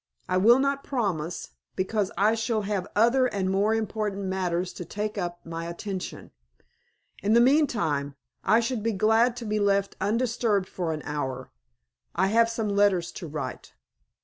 "I will not promise, because I shall have other and more important matters to take up my attention. In the meantime, I should be glad to be left undisturbed for an hour. I have some letters to write."